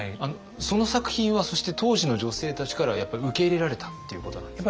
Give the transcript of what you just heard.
その作品はそして当時の女性たちからはやっぱり受け入れられたっていうことなんですか？